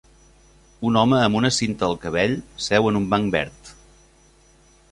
Un home amb una cinta al cabell seu en un banc verd.